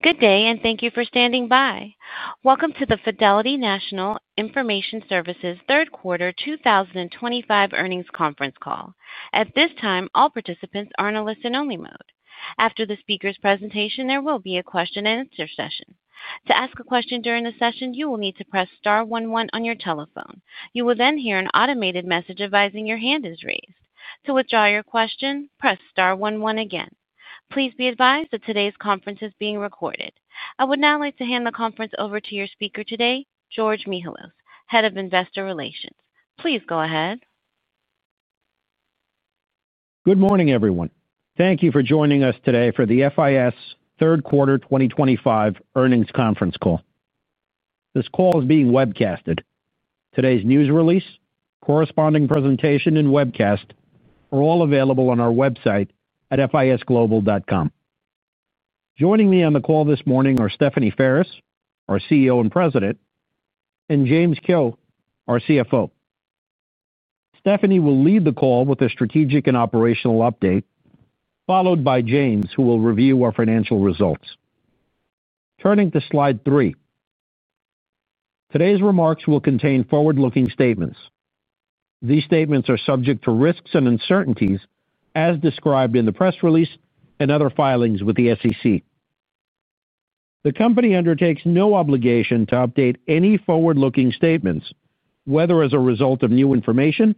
Good day, and thank you for standing by. Welcome to the Fidelity National Information Services third quarter 2025 earnings conference call. At this time, all participants are in a listen-only mode. After the speaker's presentation, there will be a question-and-answer session. To ask a question during the session, you will need to press star one one on your telephone. You will then hear an automated message advising your hand is raised. To withdraw your question, press star one one again. Please be advised that today's conference is being recorded. I would now like to hand the conference over to your speaker today, George Mihalos, Head of Investor Relations. Please go ahead. Good morning, everyone. Thank you for joining us today for the FIS third quarter 2025 earnings conference call. This call is being webcasted. Today's news release, corresponding presentation, and webcast are all available on our website at fisglobal.com. Joining me on the call this morning are Stephanie Ferris, our CEO and President, and James Kehoe, our CFO. Stephanie will lead the call with a strategic and operational update, followed by James, who will review our financial results. Turning to slide three. Today's remarks will contain forward-looking statements. These statements are subject to risks and uncertainties, as described in the press release and other filings with the SEC. The company undertakes no obligation to update any forward-looking statements, whether as a result of new information,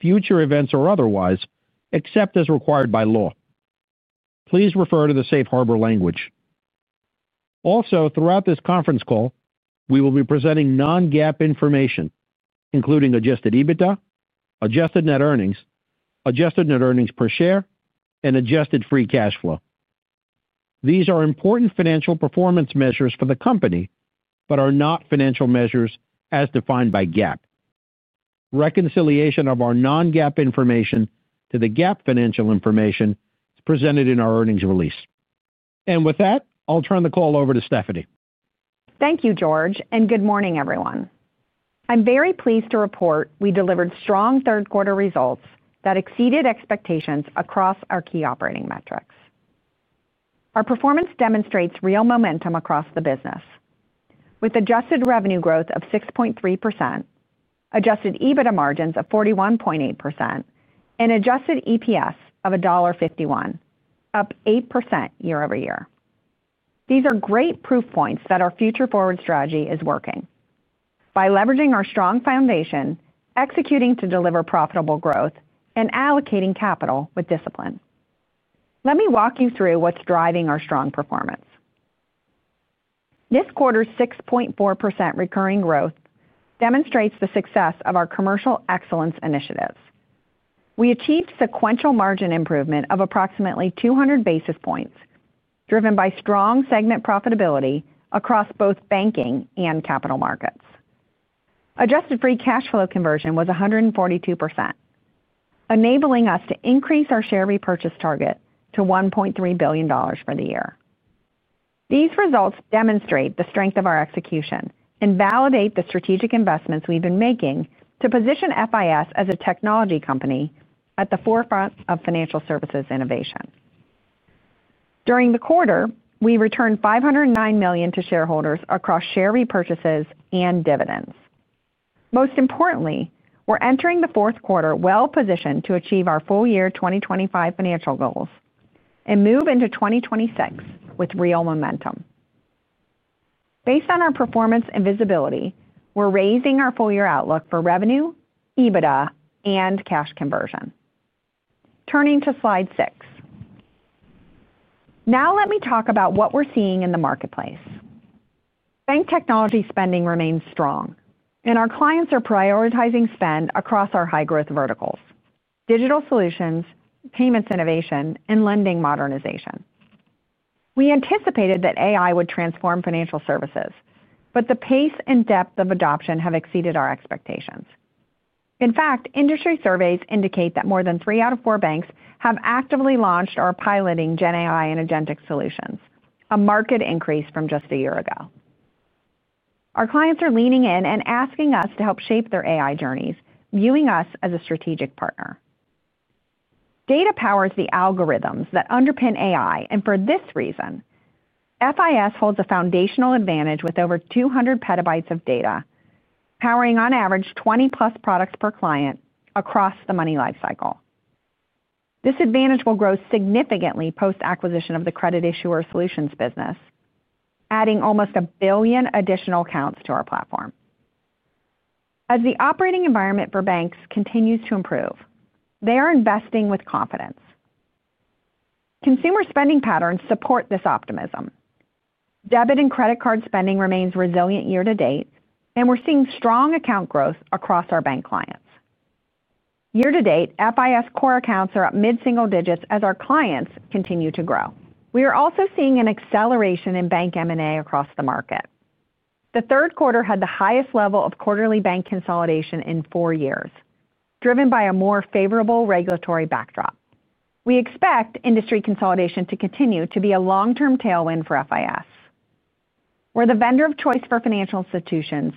future events, or otherwise, except as required by law. Please refer to the safe harbor language. Also, throughout this conference call, we will be presenting non-GAAP information, including adjusted EBITDA, adjusted net earnings, adjusted net earnings per share, and adjusted free cash flow. These are important financial performance measures for the company but are not financial measures as defined by GAAP. Reconciliation of our non-GAAP information to the GAAP financial information is presented in our earnings release. With that, I'll turn the call over to Stephanie. Thank you, George, and good morning, everyone. I'm very pleased to report we delivered strong third-quarter results that exceeded expectations across our key operating metrics. Our performance demonstrates real momentum across the business, with adjusted revenue growth of 6.3%, adjusted EBITDA margins of 41.8%, and adjusted EPS of $1.51, up 8% year-over-year. These are great proof points that our future-forward strategy is working by leveraging our strong foundation, executing to deliver profitable growth, and allocating capital with discipline. Let me walk you through what's driving our strong performance. This quarter's 6.4% recurring growth demonstrates the success of our commercial excellence initiatives. We achieved sequential margin improvement of approximately 200 basis points, driven by strong segment profitability across both banking and capital markets. Adjusted free cash flow conversion was 142%, enabling us to increase our share repurchase target to $1.3 billion for the year. These results demonstrate the strength of our execution and validate the strategic investments we've been making to position FIS as a technology company at the forefront of financial services innovation. During the quarter, we returned $509 million to shareholders across share repurchases and dividends. Most importantly, we're entering the fourth quarter well-positioned to achieve our full-year 2025 financial goals and move into 2026 with real momentum. Based on our performance and visibility, we're raising our full-year outlook for revenue, EBITDA, and cash conversion. Turning to slide six. Now, let me talk about what we're seeing in the marketplace. Bank technology spending remains strong, and our clients are prioritizing spend across our high-growth verticals: digital solutions, payments innovation, and lending modernization. We anticipated that AI would transform financial services, but the pace and depth of adoption have exceeded our expectations. In fact, industry surveys indicate that more than three out of four banks have actively launched or are piloting GenAI and Agentic Solutions, a marked increase from just a year ago. Our clients are leaning in and asking us to help shape their AI journeys, viewing us as a strategic partner. Data powers the algorithms that underpin AI, and for this reason, FIS holds a foundational advantage with over 200 petabytes of data, powering on average 20+ products per client across the money lifecycle. This advantage will grow significantly post-acquisition of the credit issuer solutions business, adding almost a billion additional accounts to our platform. As the operating environment for banks continues to improve, they are investing with confidence. Consumer spending patterns support this optimism. Debit and credit card spending remains resilient year to date, and we're seeing strong account growth across our bank clients. Year to date, FIS core accounts are at mid-single digits as our clients continue to grow. We are also seeing an acceleration in bank M&A across the market. The third quarter had the highest level of quarterly bank consolidation in four years, driven by a more favorable regulatory backdrop. We expect industry consolidation to continue to be a long-term tailwind for FIS. We're the vendor of choice for financial institutions,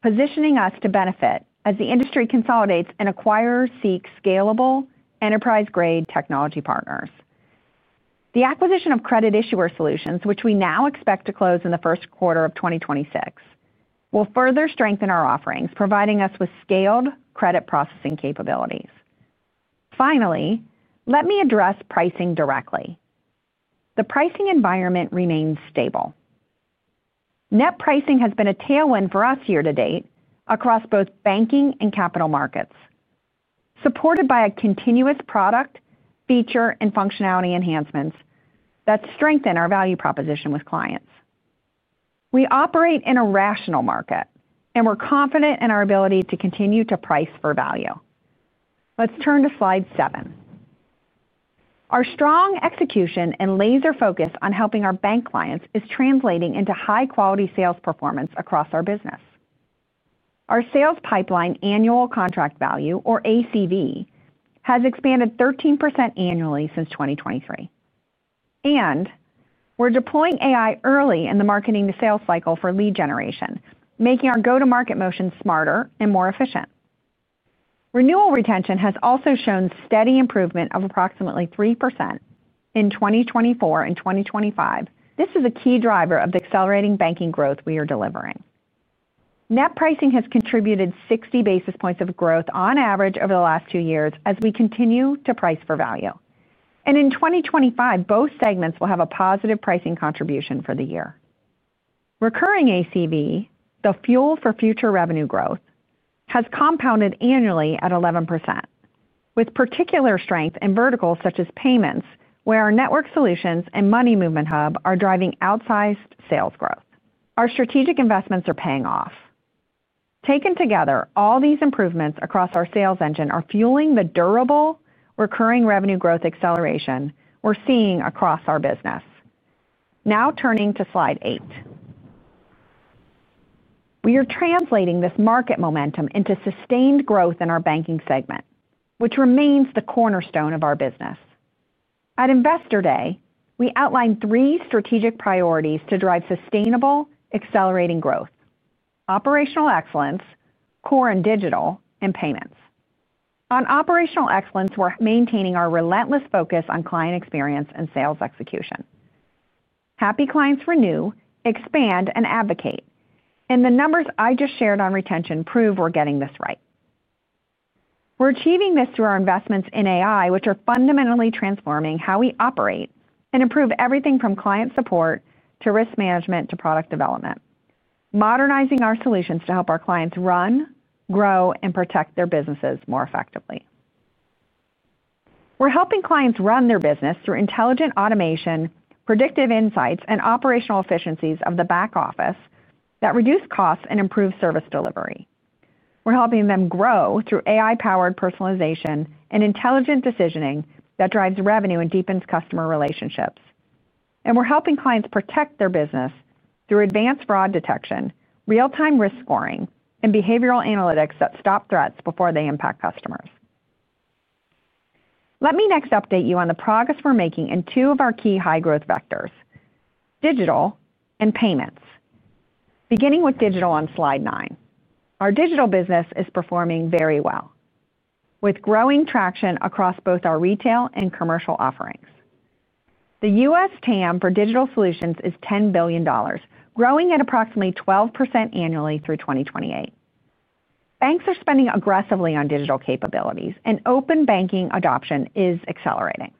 positioning us to benefit as the industry consolidates and acquirers seek scalable enterprise-grade technology partners. The acquisition of credit issuer solutions, which we now expect to close in the first quarter of 2026, will further strengthen our offerings, providing us with scaled credit processing capabilities. Finally, let me address pricing directly. The pricing environment remains stable. Net pricing has been a tailwind for us year to date across both banking and capital markets. Supported by continuous product feature and functionality enhancements that strengthen our value proposition with clients. We operate in a rational market, and we're confident in our ability to continue to price for value. Let's turn to slide seven. Our strong execution and laser focus on helping our bank clients is translating into high-quality sales performance across our business. Our sales pipeline annual contract value, or ACV, has expanded 13% annually since 2023. We're deploying AI early in the marketing to sales cycle for lead generation, making our go-to-market motion smarter and more efficient. Renewal retention has also shown steady improvement of approximately 3% in 2024 and 2025. This is a key driver of the accelerating banking growth we are delivering. Net pricing has contributed 60 basis points of growth on average over the last two years as we continue to price for value. In 2025, both segments will have a positive pricing contribution for the year. Recurring ACV, the fuel for future revenue growth, has compounded annually at 11%, with particular strength in verticals such as payments, where our network solutions and Money Movement Hub are driving outsized sales growth. Our strategic investments are paying off. Taken together, all these improvements across our sales engine are fueling the durable recurring revenue growth acceleration we are seeing across our business. Now, turning to slide eight. We are translating this market momentum into sustained growth in our banking segment, which remains the cornerstone of our business. At investor day, we outlined three strategic priorities to drive sustainable accelerating growth: operational excellence, core and digital, and payments. On operational excellence, we are maintaining our relentless focus on client experience and sales execution. Happy clients renew, expand, and advocate. The numbers I just shared on retention prove we're getting this right. We're achieving this through our investments in AI, which are fundamentally transforming how we operate and improve everything from client support to risk management to product development. Modernizing our solutions to help our clients run, grow, and protect their businesses more effectively. We're helping clients run their business through intelligent automation, predictive insights, and operational efficiencies of the back office that reduce costs and improve service delivery. We're helping them grow through AI-powered personalization and intelligent decisioning that drives revenue and deepens customer relationships. We're helping clients protect their business through advanced fraud detection, real-time risk scoring, and behavioral analytics that stop threats before they impact customers. Let me next update you on the progress we're making in two of our key high-growth vectors: digital and payments. Beginning with digital on slide nine, our digital business is performing very well. With growing traction across both our retail and commercial offerings. The U.S. TAM for digital solutions is $10 billion, growing at approximately 12% annually through 2028. Banks are spending aggressively on digital capabilities, and open banking adoption is accelerating.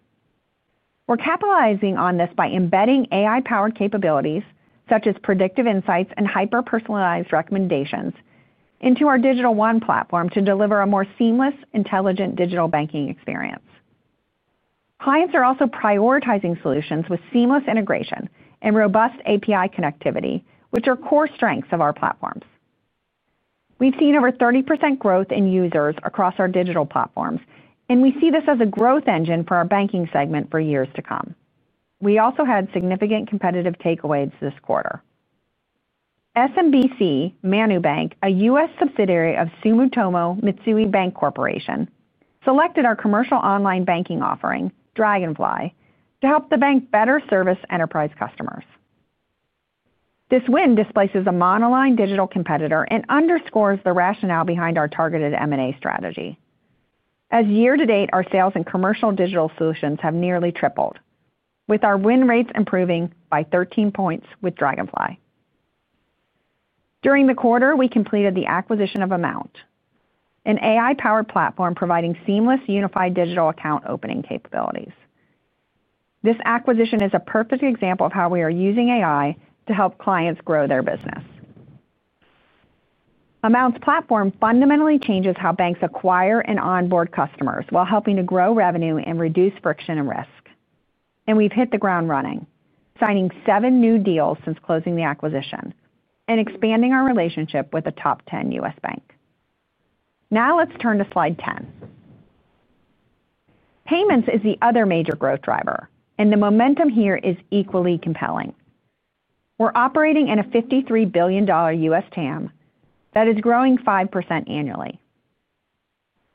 We're capitalizing on this by embedding AI-powered capabilities such as predictive insights and hyper-personalized recommendations into our Digital One platform to deliver a more seamless, intelligent digital banking experience. Clients are also prioritizing solutions with seamless integration and robust API connectivity, which are core strengths of our platforms. We've seen over 30% growth in users across our digital platforms, and we see this as a growth engine for our banking segment for years to come. We also had significant competitive takeaways this quarter. SMBC Manubank, a U.S. subsidiary of Sumitomo Mitsui Banking Corporation, selected our commercial online banking offering, Dragonfly, to help the bank better service enterprise customers. This win displaces a monoline digital competitor and underscores the rationale behind our targeted M&A strategy. As year to date, our sales and commercial digital solutions have nearly tripled, with our win rates improving by 13 points with Dragonfly. During the quarter, we completed the acquisition of Amount, an AI-powered platform providing seamless, unified digital account opening capabilities. This acquisition is a perfect example of how we are using AI to help clients grow their business. Amount's platform fundamentally changes how banks acquire and onboard customers while helping to grow revenue and reduce friction and risk. We have hit the ground running, signing seven new deals since closing the acquisition and expanding our relationship with a top 10 US bank. Now, let's turn to slide 10. Payments is the other major growth driver, and the momentum here is equally compelling. We're operating in a $53 billion U.S. TAM that is growing 5% annually.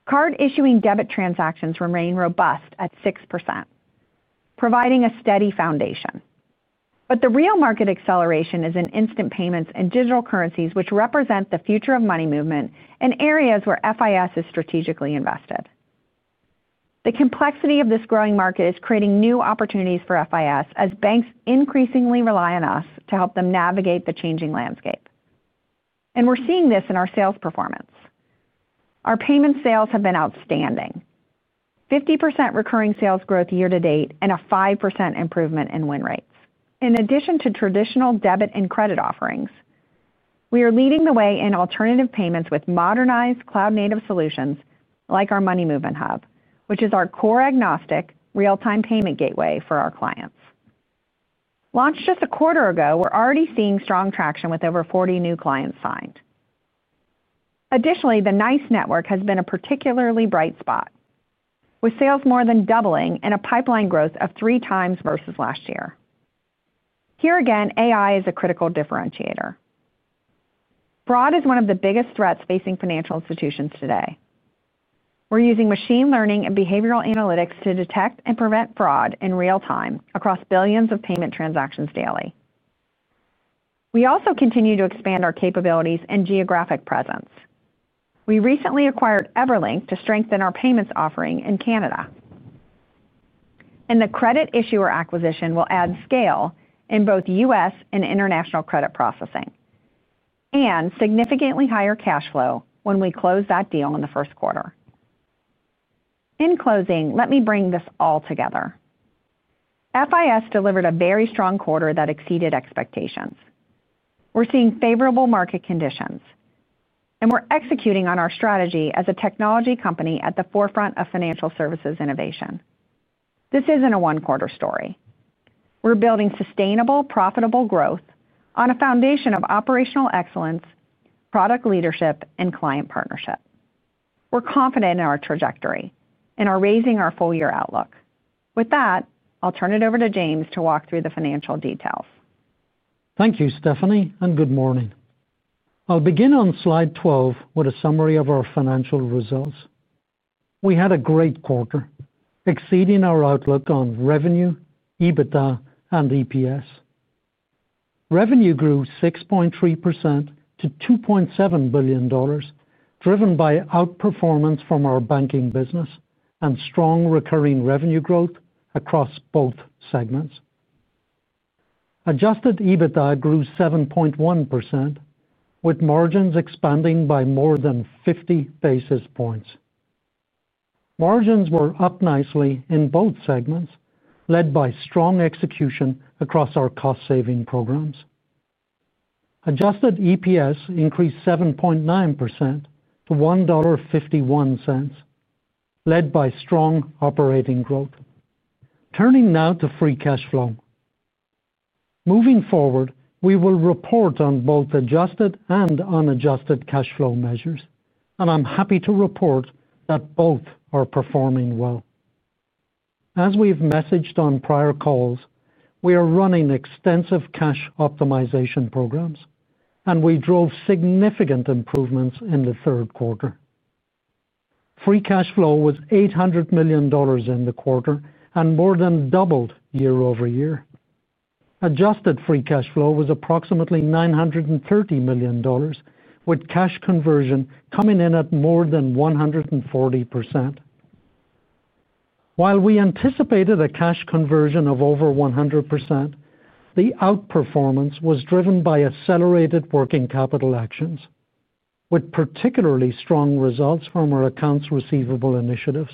Card-issuing debit transactions remain robust at 6%, providing a steady foundation. The real market acceleration is in instant payments and digital currencies, which represent the future of money movement and areas where FIS is strategically invested. The complexity of this growing market is creating new opportunities for FIS as banks increasingly rely on us to help them navigate the changing landscape. We're seeing this in our sales performance. Our payment sales have been outstanding: 50% recurring sales growth year to date and a 5% improvement in win rates. In addition to traditional debit and credit offerings, we are leading the way in alternative payments with modernized cloud-native solutions like our Money Movement Hub, which is our core agnostic real-time payment gateway for our clients. Launched just a quarter ago, we're already seeing strong traction with over 40 new clients signed. Additionally, the NICE network has been a particularly bright spot, with sales more than doubling and a pipeline growth of three times versus last year. Here again, AI is a critical differentiator. Fraud is one of the biggest threats facing financial institutions today. We're using machine learning and behavioral analytics to detect and prevent fraud in real time across billions of payment transactions daily. We also continue to expand our capabilities and geographic presence. We recently acquired Everlink to strengthen our payments offering in Canada. The credit issuer acquisition will add scale in both U.S. and international credit processing. Significantly higher cash flow when we close that deal in the first quarter. In closing, let me bring this all together. FIS delivered a very strong quarter that exceeded expectations. We are seeing favorable market conditions, and we are executing on our strategy as a technology company at the forefront of financial services innovation. This is not a one-quarter story. We are building sustainable, profitable growth on a foundation of operational excellence, product leadership, and client partnership. We are confident in our trajectory and are raising our full-year outlook. With that, I will turn it over to James to walk through the financial details. Thank you, Stephanie, and good morning. I will begin on slide 12 with a summary of our financial results. We had a great quarter, exceeding our outlook on revenue, EBITDA, and EPS. Revenue grew 6.3% to $2.7 billion, driven by outperformance from our banking business and strong recurring revenue growth across both segments. Adjusted EBITDA grew 7.1%, with margins expanding by more than 50 basis points. Margins were up nicely in both segments, led by strong execution across our cost-saving programs. Adjusted EPS increased 7.9% to $1.51, led by strong operating growth. Turning now to free cash flow. Moving forward, we will report on both adjusted and unadjusted cash flow measures, and I'm happy to report that both are performing well. As we've messaged on prior calls, we are running extensive cash optimization programs, and we drove significant improvements in the third quarter. Free cash flow was $800 million in the quarter and more than doubled year-over-year. Adjusted free cash flow was approximately $930 million, with cash conversion coming in at more than 140%. While we anticipated a cash conversion of over 100%, the outperformance was driven by accelerated working capital actions, with particularly strong results from our accounts receivable initiatives.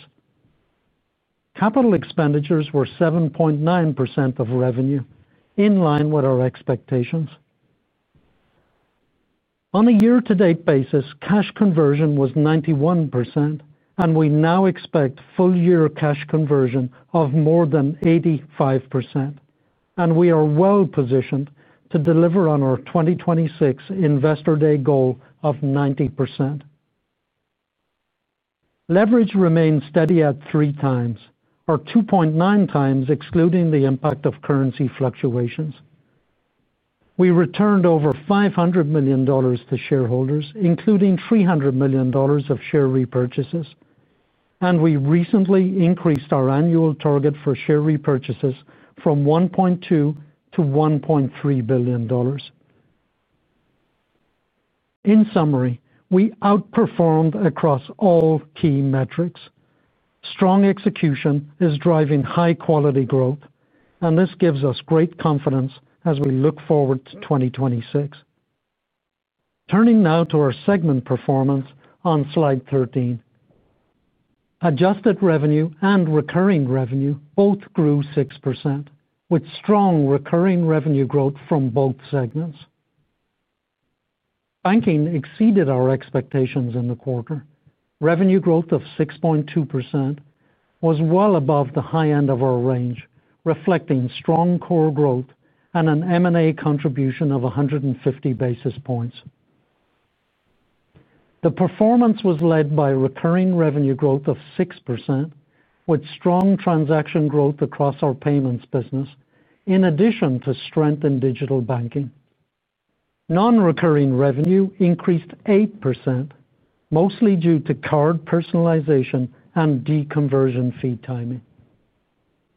Capital expenditures were 7.9% of revenue, in line with our expectations. On a year-to-date basis, cash conversion was 91%, and we now expect full-year cash conversion of more than 85%. We are well positioned to deliver on our 2026 investor day goal of 90%. Leverage remains steady at three times, or 2.9x excluding the impact of currency fluctuations. We returned over $500 million to shareholders, including $300 million of share repurchases. We recently increased our annual target for share repurchases from $1.2 billion-$1.3 billion. In summary, we outperformed across all key metrics. Strong execution is driving high-quality growth, and this gives us great confidence as we look forward to 2026. Turning now to our segment performance on slide 13. Adjusted revenue and recurring revenue both grew 6%, with strong recurring revenue growth from both segments. Banking exceeded our expectations in the quarter. Revenue growth of 6.2% was well above the high end of our range, reflecting strong core growth and an M&A contribution of 150 basis points. The performance was led by recurring revenue growth of 6%, with strong transaction growth across our payments business, in addition to strength in digital banking. Non-recurring revenue increased 8%, mostly due to card personalization and deconversion fee timing.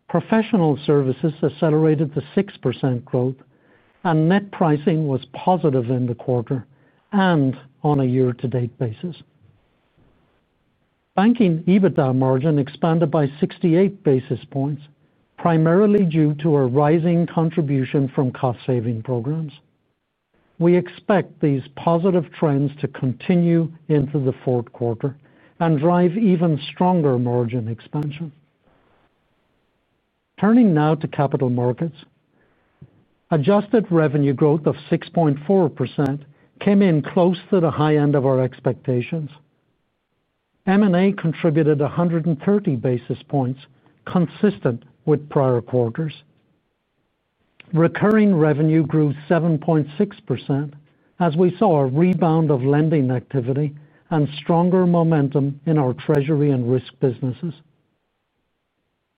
Professional services accelerated the 6% growth, and net pricing was positive in the quarter and on a year-to-date basis. Banking EBITDA margin expanded by 68 basis points, primarily due to a rising contribution from cost-saving programs. We expect these positive trends to continue into the fourth quarter and drive even stronger margin expansion. Turning now to capital markets. Adjusted revenue growth of 6.4% came in close to the high end of our expectations. M&A contributed 130 basis points, consistent with prior quarters. Recurring revenue grew 7.6%, as we saw a rebound of lending activity and stronger momentum in our treasury and risk businesses.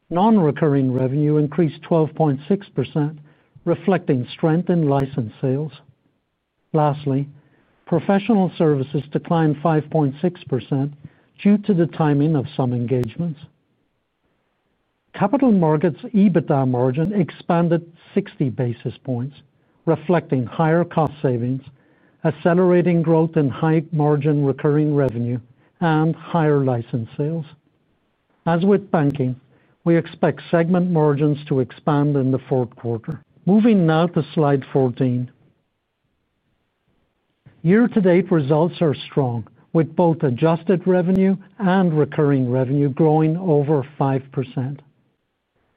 Non-recurring revenue increased 12.6%, reflecting strength in license sales. Lastly, professional services declined 5.6% due to the timing of some engagements. Capital markets' EBITDA margin expanded 60 basis points, reflecting higher cost savings, accelerating growth in high-margin recurring revenue, and higher license sales. As with banking, we expect segment margins to expand in the fourth quarter. Moving now to slide 14. Year-to-date results are strong, with both adjusted revenue and recurring revenue growing over 5%.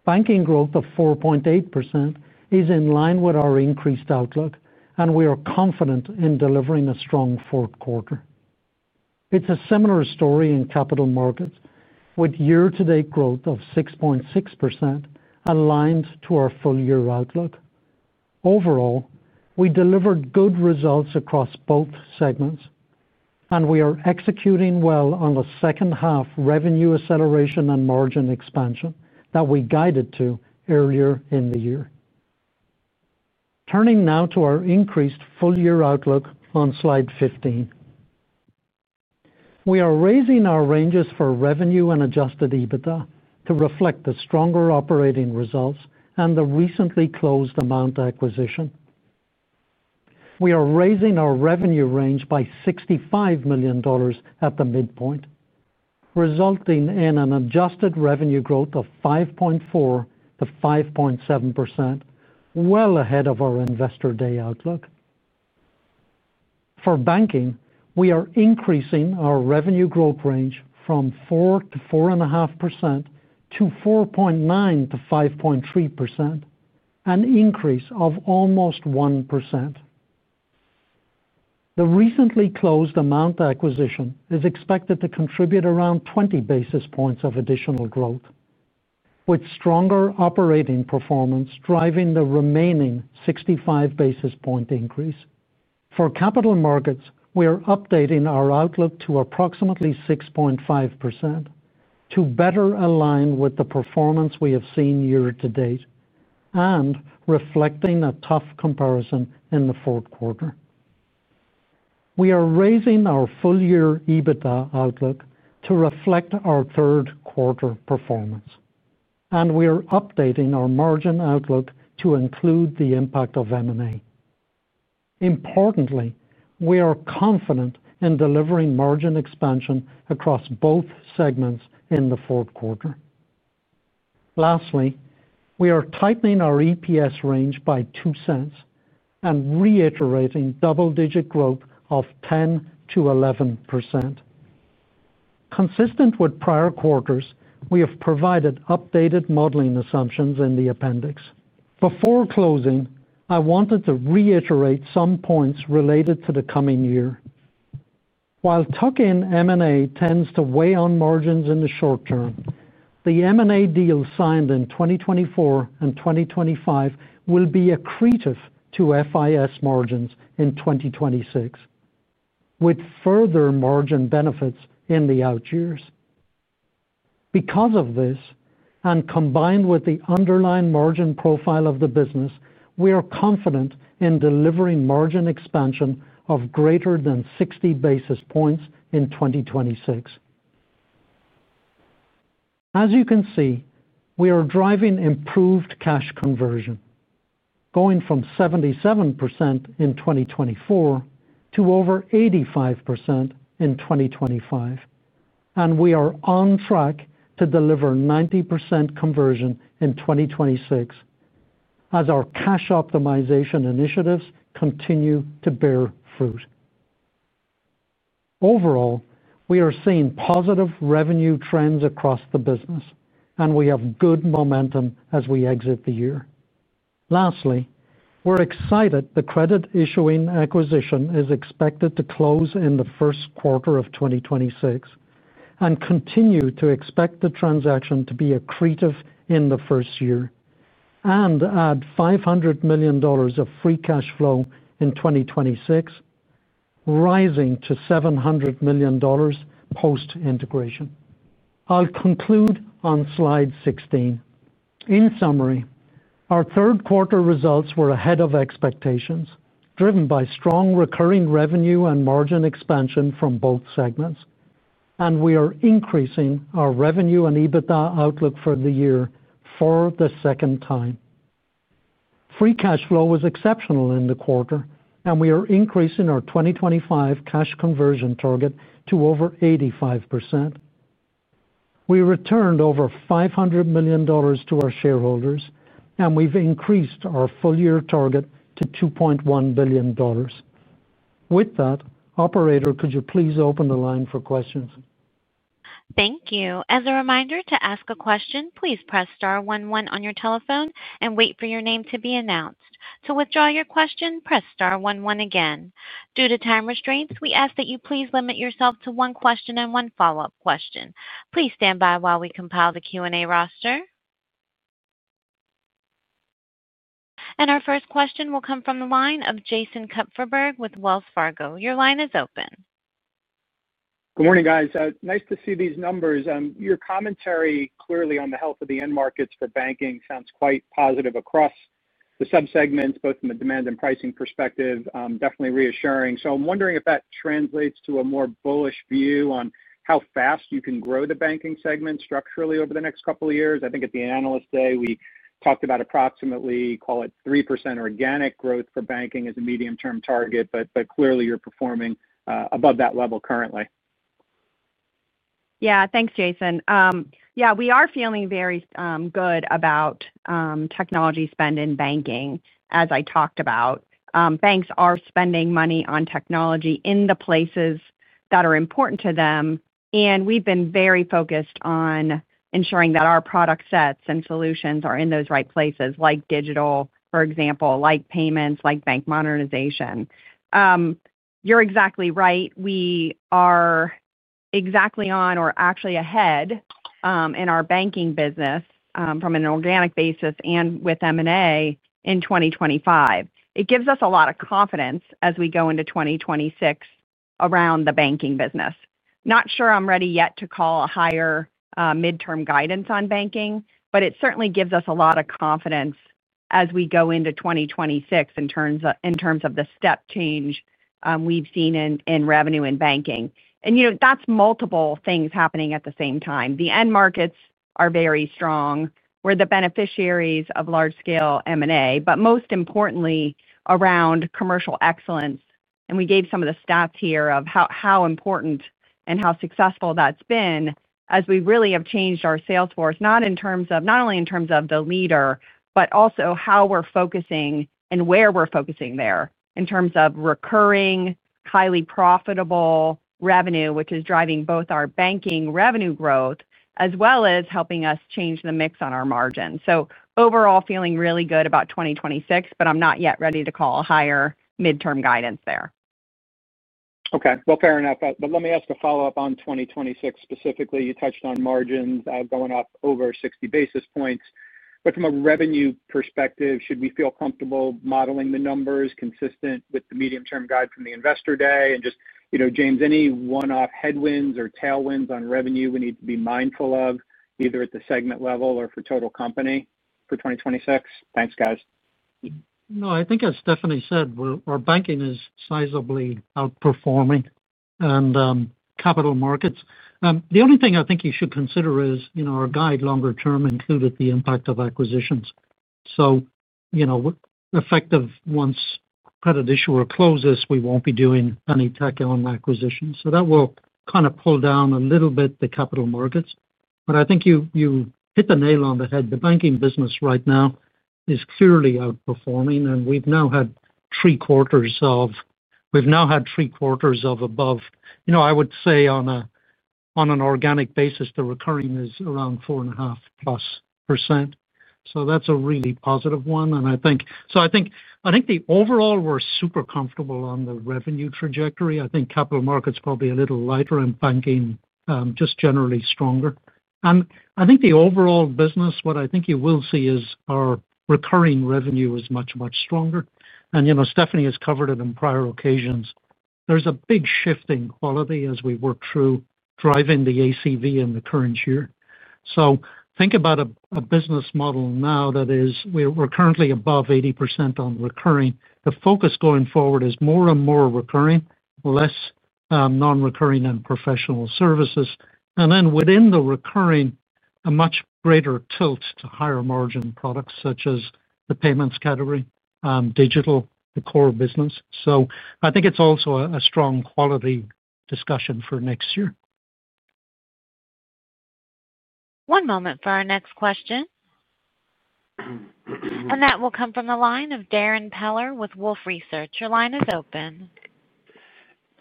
Banking growth of 4.8% is in line with our increased outlook, and we are confident in delivering a strong fourth quarter. It's a similar story in capital markets, with year-to-date growth of 6.6%. Aligned to our full-year outlook. Overall, we delivered good results across both segments, and we are executing well on the second-half revenue acceleration and margin expansion that we guided to earlier in the year. Turning now to our increased full-year outlook on slide 15. We are raising our ranges for revenue and adjusted EBITDA to reflect the stronger operating results and the recently closed Amount acquisition. We are raising our revenue range by $65 million at the midpoint, resulting in an adjusted revenue growth of 5.4%-5.7%. Well ahead of our investor day outlook. For banking, we are increasing our revenue growth range from 4%-4.5% to 4.9%-5.3%, an increase of almost 1%. The recently closed Amount acquisition is expected to contribute around 20 basis points of additional growth. With stronger operating performance driving the remaining 65 basis point increase. For capital markets, we are updating our outlook to approximately 6.5% to better align with the performance we have seen year-to-date and reflecting a tough comparison in the fourth quarter. We are raising our full-year EBITDA outlook to reflect our third quarter performance, and we are updating our margin outlook to include the impact of M&A. Importantly, we are confident in delivering margin expansion across both segments in the fourth quarter. Lastly, we are tightening our EPS range by 2 cents and reiterating double-digit growth of 10%-11%. Consistent with prior quarters, we have provided updated modeling assumptions in the appendix. Before closing, I wanted to reiterate some points related to the coming year. While tuck-in M&A tends to weigh on margins in the short term, the M&A deals signed in 2024 and 2025 will be accretive to FIS margins in 2026, with further margin benefits in the out years. Because of this, and combined with the underlying margin profile of the business, we are confident in delivering margin expansion of greater than 60 basis points in 2026. As you can see, we are driving improved cash conversion, going from 77% in 2024 to over 85% in 2025. We are on track to deliver 90% conversion in 2026 as our cash optimization initiatives continue to bear fruit. Overall, we are seeing positive revenue trends across the business, and we have good momentum as we exit the year. Lastly, we're excited the credit issuing acquisition is expected to close in the first quarter of 2026 and continue to expect the transaction to be accretive in the first year and add $500 million of free cash flow in 2026, rising to $700 million post integration. I'll conclude on slide 16. In summary, our third quarter results were ahead of expectations, driven by strong recurring revenue and margin expansion from both segments, and we are increasing our revenue and EBITDA outlook for the year for the second time. Free cash flow was exceptional in the quarter, and we are increasing our 2025 cash conversion target to over 85%. We returned over $500 million to our shareholders, and we've increased our full-year target to $2.1 billion. With that, Operator, could you please open the line for questions? Thank you. As a reminder, to ask a question, please press star one one on your telephone and wait for your name to be announced. To withdraw your question, press star one one again. Due to time restraints, we ask that you please limit yourself to one question and one follow-up question. Please stand by while we compile the Q&A roster. Our first question will come from the line of Jason Kupferberg with Wells Fargo. Your line is open. Good morning, guys. Nice to see these numbers. Your commentary clearly on the health of the end markets for banking sounds quite positive across the subsegments, both from a demand and pricing perspective. Definitely reassuring. I'm wondering if that translates to a more bullish view on how fast you can grow the banking segment structurally over the next couple of years. I think at the analyst day, we talked about approximately, call it 3% organic growth for banking as a medium-term target, but clearly you're performing above that level currently. Yeah, thanks, Jason. Yeah, we are feeling very good about technology spend in banking, as I talked about. Banks are spending money on technology in the places that are important to them, and we've been very focused on ensuring that our product sets and solutions are in those right places, like digital, for example, like payments, like bank modernization. You're exactly right. We are exactly on or actually ahead in our banking business from an organic basis and with M&A in 2025. It gives us a lot of confidence as we go into 2026 around the banking business. Not sure I'm ready yet to call a higher midterm guidance on banking, but it certainly gives us a lot of confidence as we go into 2026 in terms of the step change we've seen in revenue in banking. That's multiple things happening at the same time. The end markets are very strong. We're the beneficiaries of large-scale M&A, but most importantly around commercial excellence. We gave some of the stats here of how important and how successful that's been as we really have changed our sales force, not only in terms of the leader, but also how we're focusing and where we're focusing there in terms of recurring, highly profitable revenue, which is driving both our banking revenue growth as well as helping us change the mix on our margins. Overall, feeling really good about 2026, but I'm not yet ready to call a higher midterm guidance there. Okay. Fair enough. Let me ask a follow-up on 2026 specifically. You touched on margins going up over 60 basis points. From a revenue perspective, should we feel comfortable modeling the numbers consistent with the medium-term guide from the investor day? Just, James, any one-off headwinds or tailwinds on revenue we need to be mindful of, either at the segment level or for total company for 2026? Thanks, guys. No, I think as Stephanie said, our banking is sizably outperforming capital markets. The only thing I think you should consider is our guide longer-term included the impact of acquisitions. Effective once credit issuer closes, we won't be doing any tech-owned acquisitions. That will kind of pull down a little bit the capital markets. I think you hit the nail on the head. The banking business right now is clearly outperforming, and we've now had three quarters of above. I would say on an organic basis, the recurring is around 4.5%+. That's a really positive one. I think the overall, we're super comfortable on the revenue trajectory. I think capital markets probably a little lighter and banking just generally stronger. I think the overall business, what I think you will see is our recurring revenue is much, much stronger. Stephanie has covered it on prior occasions. There's a big shift in quality as we work through driving the ACV in the current year. Think about a business model now that is, we're currently above 80% on recurring. The focus going forward is more and more recurring, less non-recurring and professional services. Within the recurring, a much greater tilt to higher margin products such as the payments category, digital, the core business. I think it is also a strong quality discussion for next year. One moment for our next question. That will come from the line of Darrin Peller with Wolfe Research. Your line is open.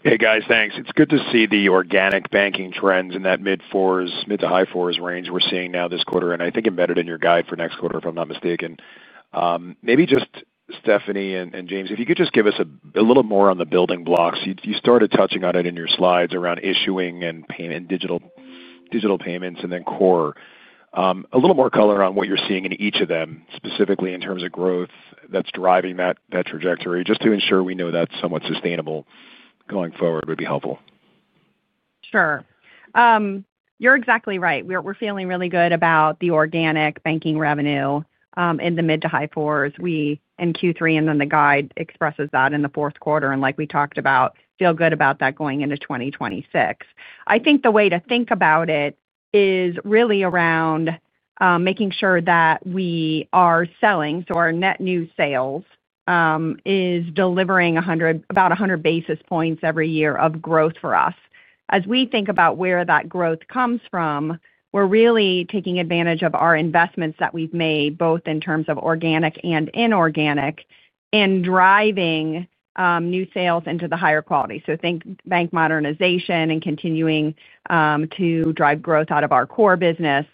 Hey, guys, thanks. It is good to see the organic banking trends in that mid to high-4% range we are seeing now this quarter, and I think embedded in your guide for next quarter, if I am not mistaken. Maybe just Stephanie and James, if you could just give us a little more on the building blocks. You started touching on it in your slides around issuing and digital. Payments and then core. A little more color on what you're seeing in each of them, specifically in terms of growth that's driving that trajectory. Just to ensure we know that's somewhat sustainable going forward would be helpful. Sure. You're exactly right. We're feeling really good about the organic banking revenue in the mid to high 4's in Q3, and then the guide expresses that in the fourth quarter. Like we talked about, feel good about that going into 2026. I think the way to think about it is really around making sure that we are selling. Our net new sales is delivering about 100 basis points every year of growth for us. As we think about where that growth comes from, we're really taking advantage of our investments that we've made, both in terms of organic and inorganic, and driving new sales into the higher quality. Think bank modernization and continuing to drive growth out of our core business.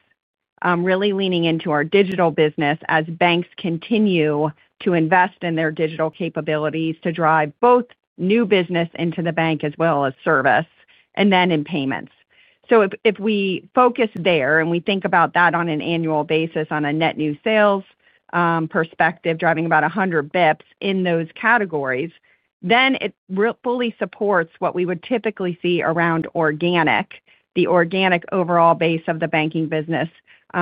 Really leaning into our digital business as banks continue to invest in their digital capabilities to drive both new business into the bank as well as service and then in payments. If we focus there and we think about that on an annual basis on a net new sales perspective, driving about 100 basis points in those categories, it fully supports what we would typically see around the organic overall base of the banking business,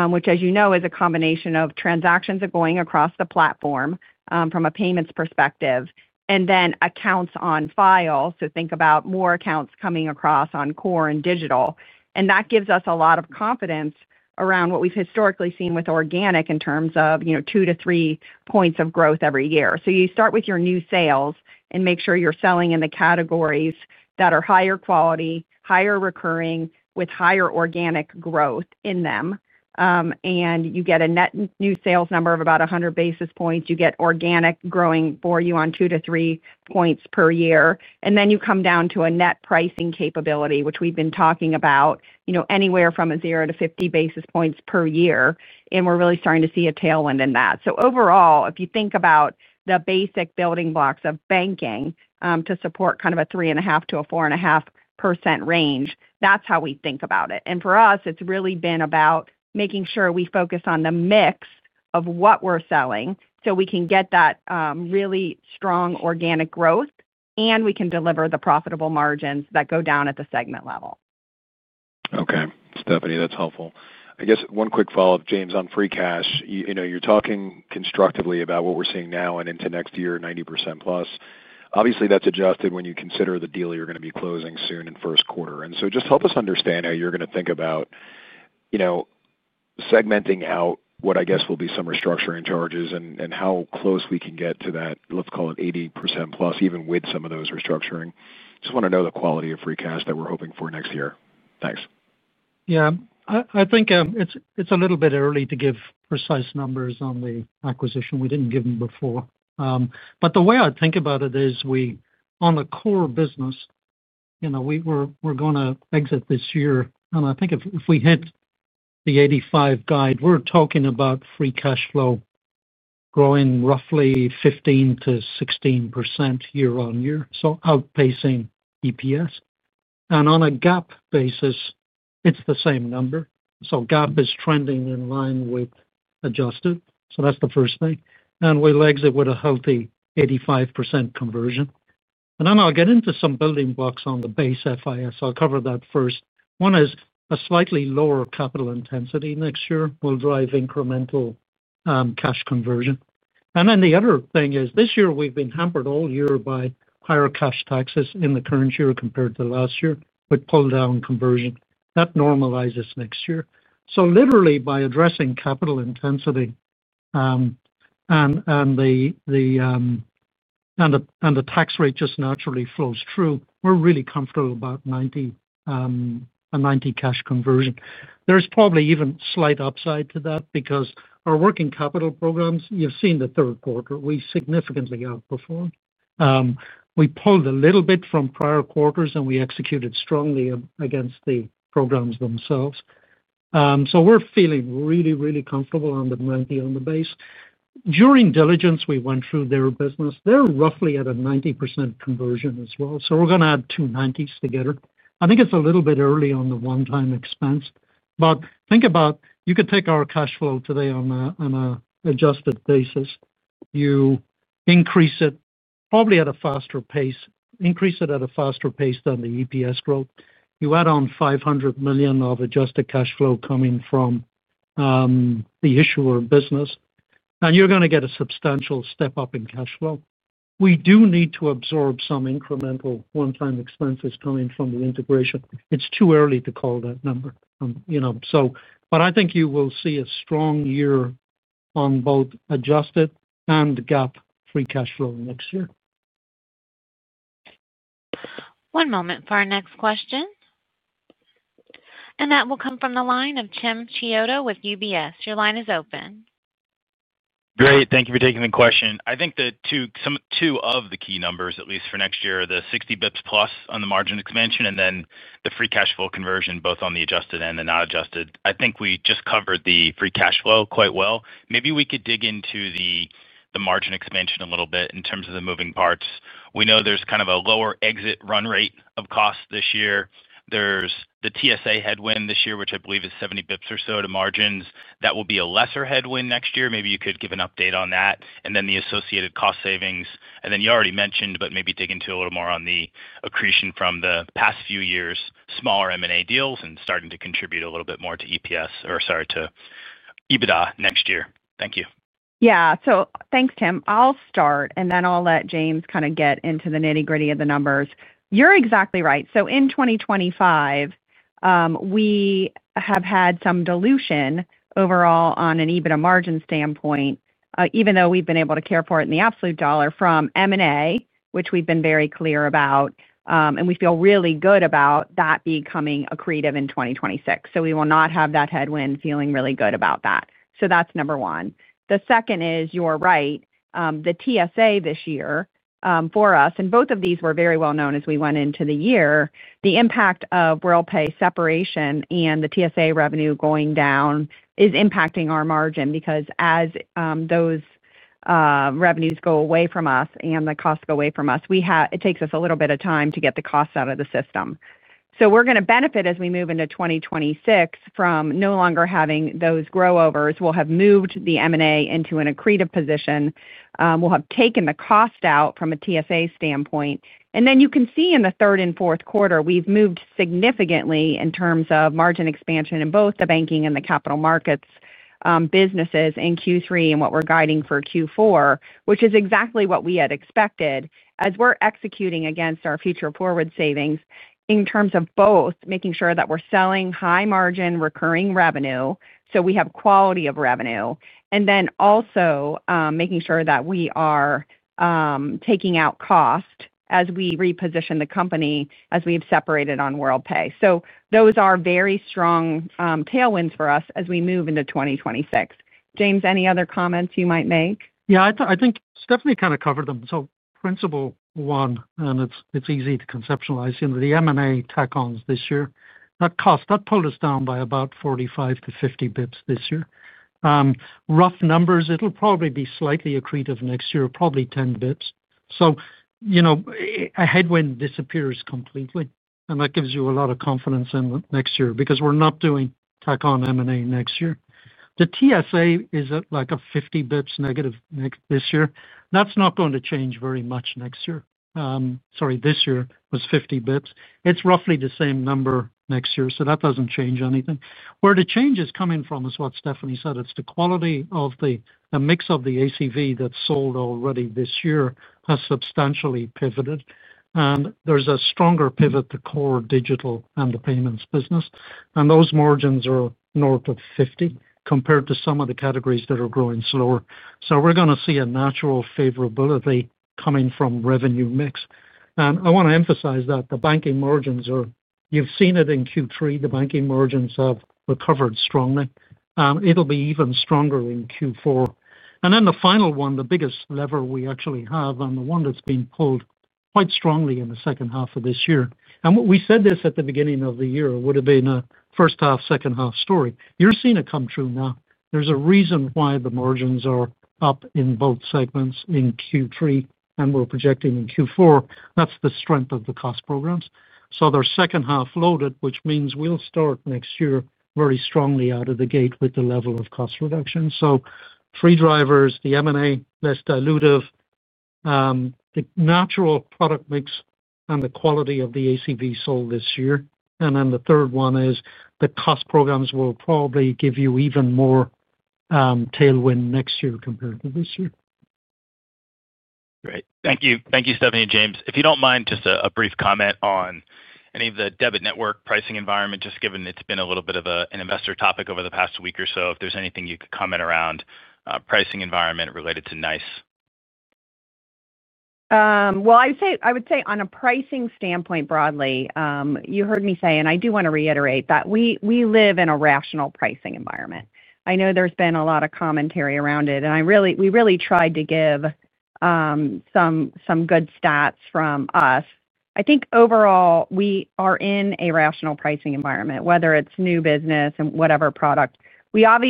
which, as you know, is a combination of transactions that are going across the platform from a payments perspective and then accounts on file. Think about more accounts coming across on core and digital. That gives us a lot of confidence around what we've historically seen with organic in terms of two to three points of growth every year. You start with your new sales and make sure you're selling in the categories that are higher quality, higher recurring, with higher organic growth in them. You get a net new sales number of about 100 basis points. You get organic growing for you on two to three points per year. You come down to a net pricing capability, which we've been talking about, anywhere from 0 to 50 basis points per year. We're really starting to see a tailwind in that. Overall, if you think about the basic building blocks of banking to support kind of a 3.5%-4.5% range, that's how we think about it. For us, it's really been about making sure we focus on the mix of what we're selling so we can get that really strong organic growth, and we can deliver the profitable margins that go down at the segment level. Okay. Stephanie, that's helpful. I guess one quick follow-up, James, on free cash. You're talking constructively about what we're seeing now and into next year, 90%+. Obviously, that's adjusted when you consider the deal you're going to be closing soon in first quarter. Just help us understand how you're going to think about segmenting out what I guess will be some restructuring charges and how close we can get to that, let's call it 80%+, even with some of those restructuring. Just want to know the quality of free cash that we're hoping for next year. Thanks. Yeah. I think it's a little bit early to give precise numbers on the acquisition. We didn't give them before. The way I think about it is we, on the core business, we're going to exit this year. I think if we hit the 85 guide, we're talking about free cash flow growing roughly 15%-16% year-on-year, so outpacing EPS. On a GAAP basis, it's the same number. GAAP is trending in line with adjusted. That's the first thing. We'll exit with a healthy 85% conversion. I'll get into some building blocks on the base FIS. I'll cover that first. One is a slightly lower capital intensity next year will drive incremental cash conversion. This year we've been hampered all year by higher cash taxes in the current year compared to last year with pulldown conversion. That normalizes next year. Literally by addressing capital intensity and the tax rate just naturally flows through, we're really comfortable about a 90% cash conversion. There's probably even slight upside to that because our working capital programs, you've seen the third quarter, we significantly outperformed. We pulled a little bit from prior quarters, and we executed strongly against the programs themselves. We're feeling really, really comfortable on the 90% on the base. During diligence, we went through their business. They're roughly at a 90% conversion as well. We're going to add two 90s together. I think it's a little bit early on the one-time expense. But think about, you could take our cash flow today on an adjusted basis. You increase it probably at a faster pace, increase it at a faster pace than the EPS growth. You add on $500 million of adjusted cash flow coming from the issuer business. You are going to get a substantial step up in cash flow. We do need to absorb some incremental one-time expenses coming from the integration. It is too early to call that number. I think you will see a strong year on both adjusted and GAAP free cash flow next year. One moment for our next question. That will come from the line of Tim Chiodo with UBS. Your line is open. Great. Thank you for taking the question. I think the two of the key numbers, at least for next year, the 60 basis points plus on the margin expansion and then the free cash flow conversion, both on the adjusted and the not adjusted. I think we just covered the free cash flow quite well. Maybe we could dig into the margin expansion a little bit in terms of the moving parts. We know there's kind of a lower exit run rate of costs this year. There's the TSA headwind this year, which I believe is 70 basis points or so to margins. That will be a lesser headwind next year. Maybe you could give an update on that and then the associated cost savings. You already mentioned, but maybe dig into a little more on the accretion from the past few years, smaller M&A deals and starting to contribute a little bit more to EPS or sorry, to EBITDA next year. Thank you. Yeah. Thanks, Tim. I'll start, and then I'll let James kind of get into the nitty-gritty of the numbers. You're exactly right. In 2025 we have had some dilution overall on an EBITDA margin standpoint, even though we've been able to care for it in the absolute dollar from M&A, which we've been very clear about. We feel really good about that becoming accretive in 2026. We will not have that headwind, feeling really good about that. That's number one. The second is you're right. The TSA this year for us, and both of these were very well known as we went into the year, the impact of Worldpay separation and the TSA revenue going down is impacting our margin because as those revenues go away from us and the costs go away from us, it takes us a little bit of time to get the costs out of the system. We are going to benefit as we move into 2026 from no longer having those grow-overs. will have moved the M&A into an accretive position. We will have taken the cost out from a TSA standpoint. You can see in the third and fourth quarter, we have moved significantly in terms of margin expansion in both the banking and the capital markets businesses in Q3 and what we are guiding for Q4, which is exactly what we had expected as we are executing against our future forward savings in terms of both making sure that we are selling high-margin recurring revenue so we have quality of revenue, and then also making sure that we are taking out cost as we reposition the company as we have separated on Worldpay. Those are very strong tailwinds for us as we move into 2026. James, any other comments you might make? Yeah. I think Stephanie kind of covered them. Principle one, and it is easy to conceptualize. The M&A tack-ons this year, that cost, that pulled us down by about 45-50 basis points this year. Rough numbers, it'll probably be slightly accretive next year, probably 10 basis points. A headwind disappears completely, and that gives you a lot of confidence in next year because we're not doing tack-on M&A next year. The TSA is at like a 50 basis points negative this year. That's not going to change very much next year. Sorry, this year was 50 basis points. It's roughly the same number next year, so that doesn't change anything. Where the change is coming from is what Stephanie said. It's the quality of the mix of the ACV that's sold already this year has substantially pivoted. And there's a stronger pivot to core digital and the payments business. And those margins are north of 50 compared to some of the categories that are growing slower. We're going to see a natural favorability coming from revenue mix. I want to emphasize that the banking margins are, you've seen it in Q3, the banking margins have recovered strongly. It'll be even stronger in Q4. The final one, the biggest lever we actually have and the one that's been pulled quite strongly in the second half of this year. We said this at the beginning of the year, it would have been a first half, second half story. You're seeing it come true now. There's a reason why the margins are up in both segments in Q3 and we're projecting in Q4. That's the strength of the cost programs. They're second half loaded, which means we'll start next year very strongly out of the gate with the level of cost reduction. Free drivers, the M&A, less dilutive. The natural product mix, and the quality of the ACV sold this year. The third one is the cost programs will probably give you even more tailwind next year compared to this year. Great. Thank you. Thank you, Stephanie and James. If you do not mind, just a brief comment on any of the debit network pricing environment, just given it has been a little bit of an investor topic over the past week or so. If there is anything you could comment around pricing environment related to NICE. I would say on a pricing standpoint broadly, you heard me say, and I do want to reiterate that we live in a rational pricing environment. I know there has been a lot of commentary around it, and we really tried to give some good stats from us. I think overall, we are in a rational pricing environment, whether it's new business and whatever product. We have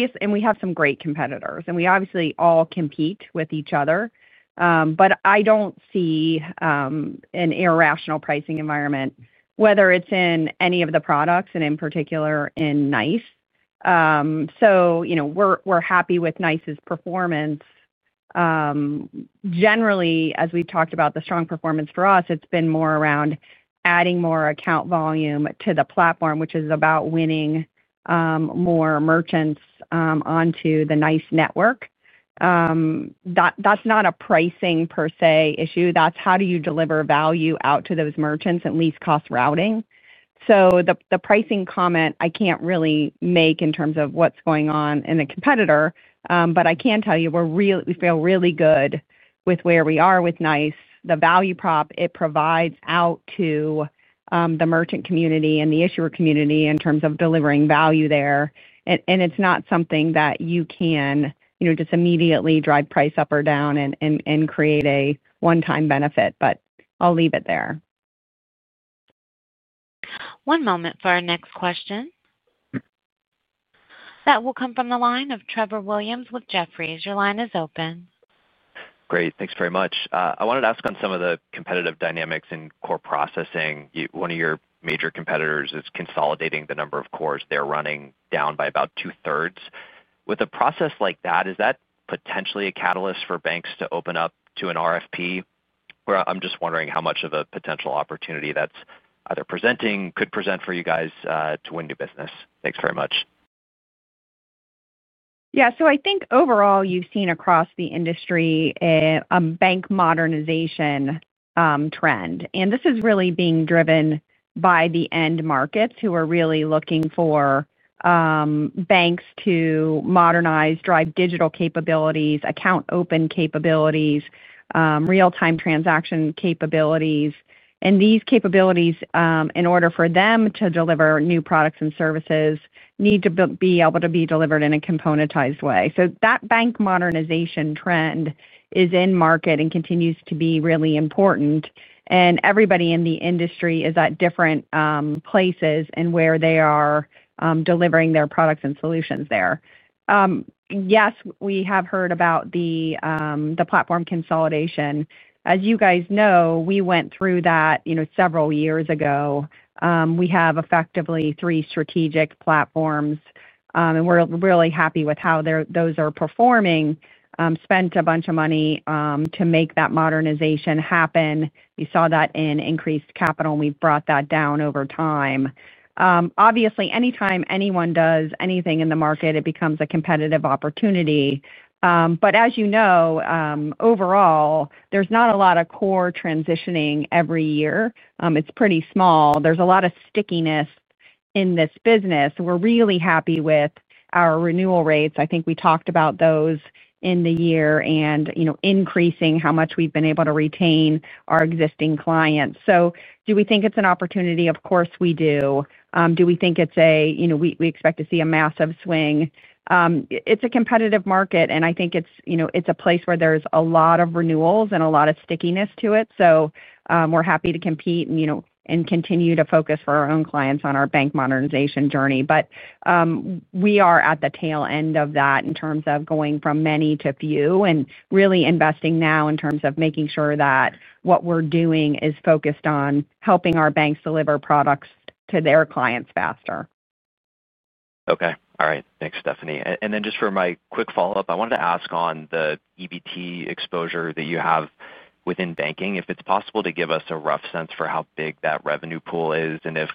some great competitors, and we obviously all compete with each other. I don't see an irrational pricing environment, whether it's in any of the products and in particular in NICE. We're happy with NICE's performance. Generally, as we've talked about the strong performance for us, it's been more around adding more account volume to the platform, which is about winning more merchants onto the NICE Network. That's not a pricing per se issue. That's how do you deliver value out to those merchants and least cost routing. The pricing comment, I can't really make in terms of what's going on in a competitor, but I can tell you we feel really good with where we are with NICE. The value prop, it provides out to. The merchant community and the issuer community in terms of delivering value there. It's not something that you can just immediately drive price up or down and create a one-time benefit, but I'll leave it there. One moment for our next question. That will come from the line of Trevor Williams with Jefferies. Your line is open. Great. Thanks very much. I wanted to ask on some of the competitive dynamics in core processing. One of your major competitors is consolidating the number of cores. They're running down by about two-thirds. With a process like that, is that potentially a catalyst for banks to open up to an RFP? I'm just wondering how much of a potential opportunity that's either presenting, could present for you guys to win new business. Thanks very much. Yeah. I think overall, you've seen across the industry. A bank modernization trend. This is really being driven by the end markets who are really looking for banks to modernize, drive digital capabilities, account open capabilities, real-time transaction capabilities. These capabilities, in order for them to deliver new products and services, need to be able to be delivered in a componentized way. That bank modernization trend is in market and continues to be really important. Everybody in the industry is at different places in where they are delivering their products and solutions there. Yes, we have heard about the platform consolidation. As you guys know, we went through that several years ago. We have effectively three strategic platforms, and we're really happy with how those are performing. Spent a bunch of money to make that modernization happen. We saw that in increased capital, and we've brought that down over time. Obviously, anytime anyone does anything in the market, it becomes a competitive opportunity. But as you know, overall, there is not a lot of core transitioning every year. It is pretty small. There is a lot of stickiness in this business. We are really happy with our renewal rates. I think we talked about those in the year and increasing how much we have been able to retain our existing clients. Do we think it is an opportunity? Of course, we do. Do we think we expect to see a massive swing? It is a competitive market, and I think it is a place where there are a lot of renewals and a lot of stickiness to it. We are happy to compete and continue to focus for our own clients on our bank modernization journey. We are at the tail end of that in terms of going from many to few and really investing now in terms of making sure that what we're doing is focused on helping our banks deliver products to their clients faster. Okay. All right. Thanks, Stephanie. And then just for my quick follow-up, I wanted to ask on the EBT exposure that you have within banking, if it's possible to give us a rough sense for how big that revenue pool is and if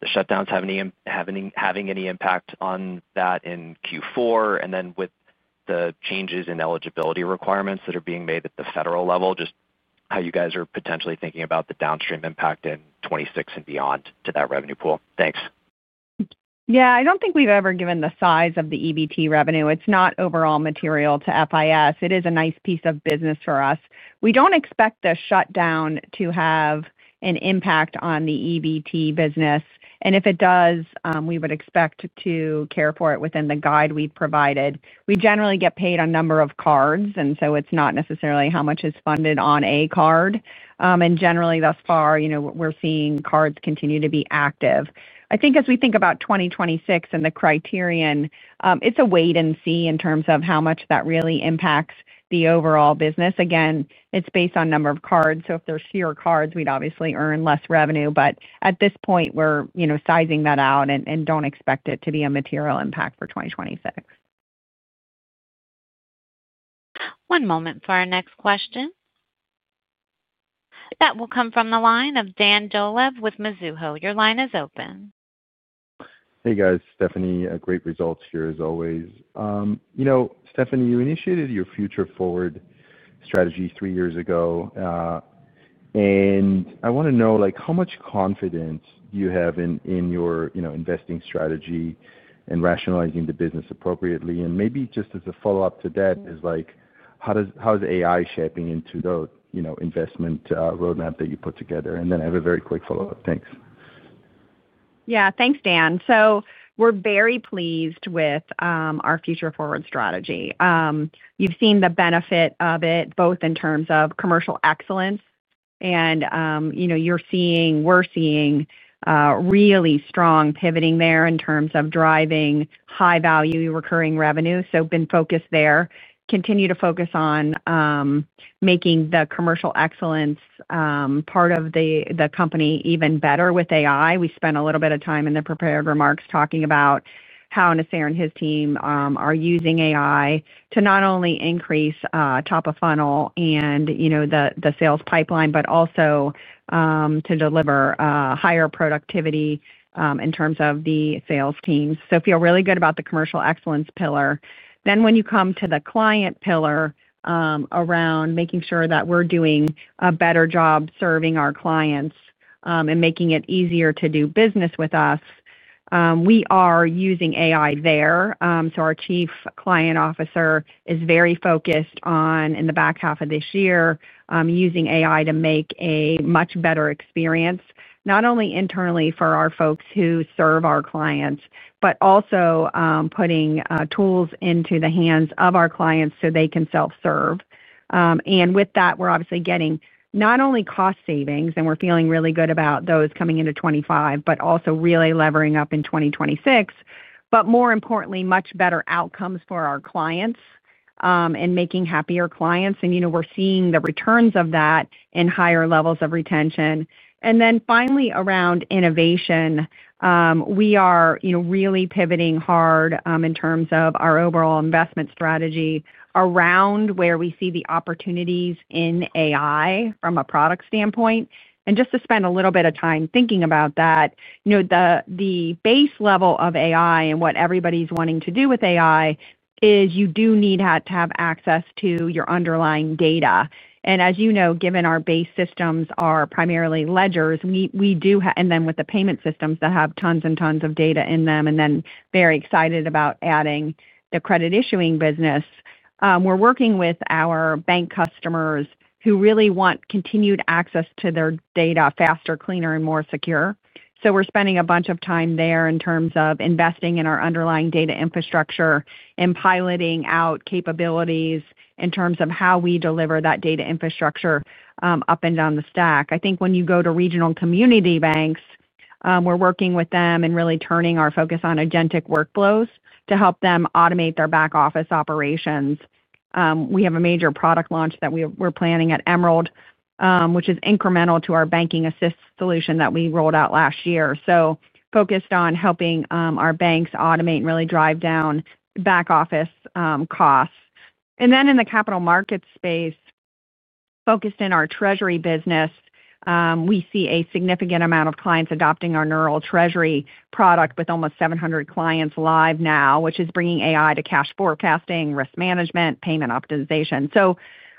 the shutdowns having any impact on that in Q4 and then with the changes in eligibility requirements that are being made at the federal level, just how you guys are potentially thinking about the downstream impact in 2026 and beyond to that revenue pool. Thanks. Yeah. I don't think we've ever given the size of the EBT revenue. It's not overall material to FIS. It is a nice piece of business for us. We do not expect the shutdown to have an impact on the EBT business. If it does, we would expect to care for it within the guide we have provided. We generally get paid on a number of cards, so it is not necessarily how much is funded on a card. Generally, thus far, we are seeing cards continue to be active. I think as we think about 2026 and the criterion, it is a wait and see in terms of how much that really impacts the overall business. Again, it is based on number of cards. If there are fewer cards, we would obviously earn less revenue. At this point, we are sizing that out and do not expect it to be a material impact for 2026. One moment for our next question. That will come from the line of Dan Dolev with Mizuho. Your line is open. Hey, guys. Stephanie, great results here as always. Stephanie, you initiated your future forward strategy three years ago. I want to know how much confidence do you have in your investing strategy and rationalizing the business appropriately? Maybe just as a follow-up to that, how is AI shaping into the investment roadmap that you put together? I have a very quick follow-up. Thanks. Yeah. Thanks, Dan. We are very pleased with our future forward strategy. You have seen the benefit of it both in terms of commercial excellence. We are seeing really strong pivoting there in terms of driving high-value recurring revenue. Been focused there. Continue to focus on making the commercial excellence part of the company even better with AI. We spent a little bit of time in the prepared remarks talking about how Nasser and his team are using AI to not only increase top of funnel and the sales pipeline, but also to deliver higher productivity in terms of the sales teams. I feel really good about the commercial excellence pillar. When you come to the client pillar around making sure that we're doing a better job serving our clients and making it easier to do business with us, we are using AI there. Our Chief Client Officer is very focused on, in the back half of this year, using AI to make a much better experience, not only internally for our folks who serve our clients, but also putting tools into the hands of our clients so they can self-serve. We're obviously getting not only cost savings, and we're feeling really good about those coming into 2025, but also really levering up in 2026, but more importantly, much better outcomes for our clients. Making happier clients. We're seeing the returns of that in higher levels of retention. Finally, around innovation. We are really pivoting hard in terms of our overall investment strategy around where we see the opportunities in AI from a product standpoint. Just to spend a little bit of time thinking about that. The base level of AI and what everybody's wanting to do with AI is you do need to have access to your underlying data. As you know, given our base systems are primarily ledgers, we do. With the payment systems that have tons and tons of data in them, I am very excited about adding the credit issuing business. We are working with our bank customers who really want continued access to their data faster, cleaner, and more secure. We are spending a bunch of time there in terms of investing in our underlying data infrastructure and piloting out capabilities in terms of how we deliver that data infrastructure up and down the stack. I think when you go to regional community banks, we are working with them and really turning our focus on agentic workflows to help them automate their back office operations. We have a major product launch that we are planning at Emerald, which is incremental to our Banking Assist solution that we rolled out last year. We are focused on helping our banks automate and really drive down back office costs. In the capital market space, focused in our treasury business, we see a significant amount of clients adopting our Neural Treasury product with almost 700 clients live now, which is bringing AI to cash forecasting, risk management, payment optimization.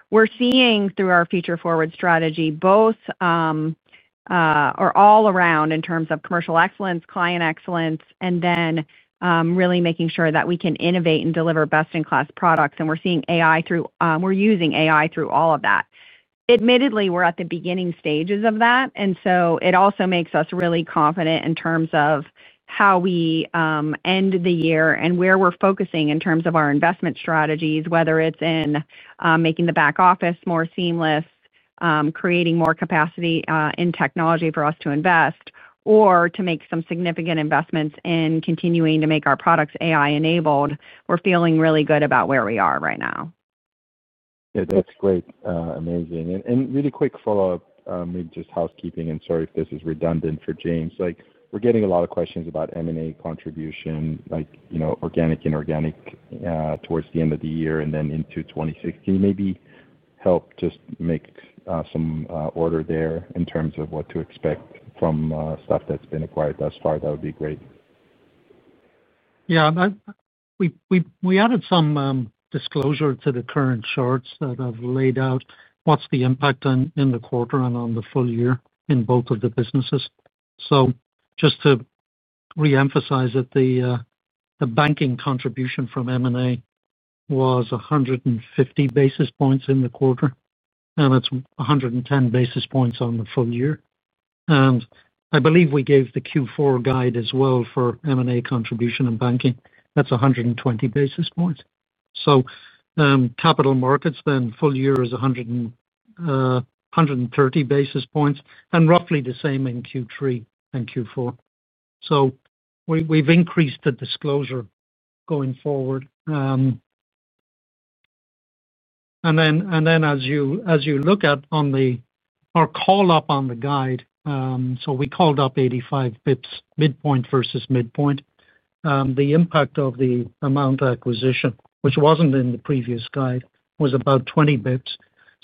We are seeing through our future forward strategy both, or all around in terms of commercial excellence, client excellence, and then really making sure that we can innovate and deliver best-in-class products. We are seeing AI through, we are using AI through all of that. Admittedly, we are at the beginning stages of that. It also makes us really confident in terms of how we end the year and where we are focusing in terms of our investment strategies, whether it is in making the back office more seamless, creating more capacity in technology for us to invest, or to make some significant investments in continuing to make our products AI-enabled. We're feeling really good about where we are right now. That's great. Amazing. And really quick follow-up, maybe just housekeeping, and sorry if this is redundant for James. We're getting a lot of questions about M&A contribution. Organic and organic. Towards the end of the year and then into 2016, maybe help just make some order there in terms of what to expect from stuff that's been acquired thus far. That would be great. Yeah. We added some disclosure to the current charts that have laid out what's the impact in the quarter and on the full year in both of the businesses. So just to re-emphasize that the banking contribution from M&A was 150 basis points in the quarter, and it's 110 basis points on the full year. And I believe we gave the Q4 guide as well for M&A contribution and banking. That's 120 basis points. Capital markets, then full year is 130 basis points, and roughly the same in Q3 and Q4. We have increased the disclosure going forward. As you look at our call-up on the guide, we called up 85 basis points, midpoint versus midpoint. The impact of the Amount acquisition, which was not in the previous guide, was about 20 basis points.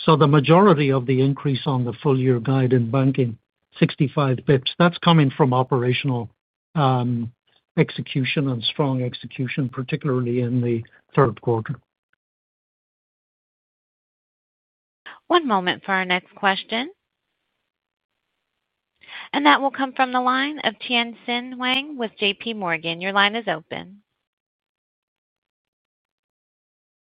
The majority of the increase on the full-year guide in banking, 65 basis points, is coming from operational execution and strong execution, particularly in the third quarter. One moment for our next question. That will come from the line of Tian Xin Wang with JPMorgan. Your line is open.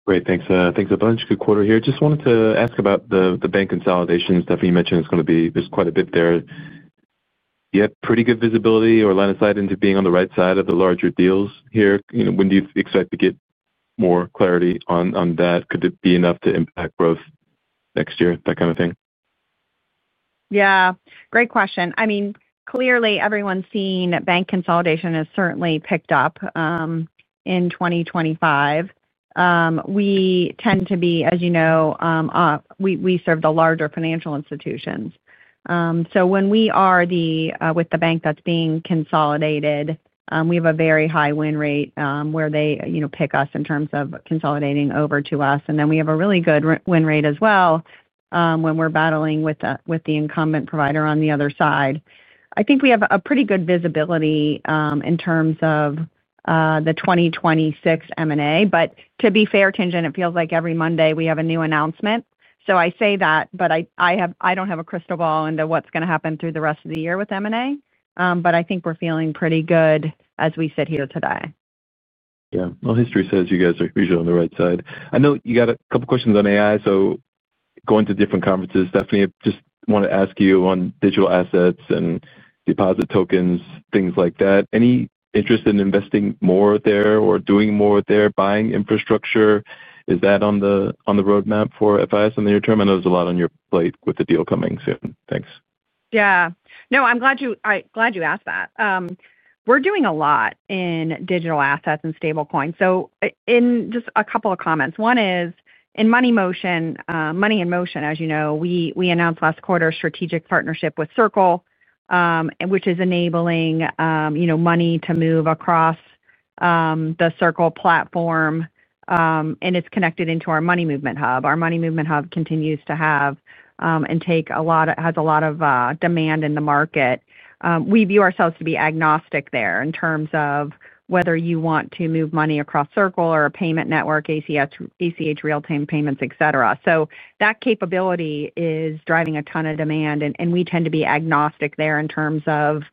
Great. Thanks. Thanks a bunch. Good quarter here. Just wanted to ask about the bank consolidation. Stephanie mentioned it is going to be there is quite a bit there. Do you have pretty good visibility or line of sight into being on the right side of the larger deals here? When do you expect to get more clarity on that? Could it be enough to impact growth next year, that kind of thing? Yeah. Great question. I mean, clearly, everyone's seeing that bank consolidation has certainly picked up. In 2025, we tend to be, as you know, we serve the larger financial institutions. So when we are with the bank that's being consolidated, we have a very high win rate where they pick us in terms of consolidating over to us. We have a really good win rate as well when we're battling with the incumbent provider on the other side. I think we have a pretty good visibility in terms of the 2026 M&A. To be fair, Tangent, it feels like every Monday we have a new announcement. I say that, but I do not have a crystal ball into what is going to happen through the rest of the year with M&A. I think we are feeling pretty good as we sit here today. History says you guys are usually on the right side. I know you got a couple of questions on AI. Going to different conferences, Stephanie, I just want to ask you on digital assets and deposit tokens, things like that. Any interest in investing more there or doing more there, buying infrastructure? Is that on the roadmap for FIS in the near term? I know there is a lot on your plate with the deal coming soon. Thanks. I am glad you asked that. We are doing a lot in digital assets and stablecoins. In just a couple of comments. One is in Money in Motion, as you know, we announced last quarter a strategic partnership with Circle. Which is enabling money to move across the Circle platform. And it's connected into our Money Movement Hub. Our Money Movement Hub continues to have and take a lot of, has a lot of demand in the market. We view ourselves to be agnostic there in terms of whether you want to move money across Circle or a payment network, ACH, real-time payments, etc. That capability is driving a ton of demand. We tend to be agnostic there in terms of,